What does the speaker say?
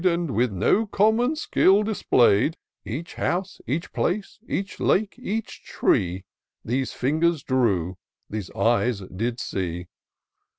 And with no common skiU displayed : Each house, each place, each lake, each tree, These fingers drew — these eyes did see."